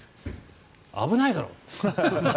危ないだろ。